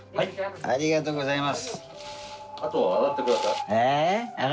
ありがとうございます。